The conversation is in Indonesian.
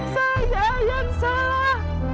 saya yang salah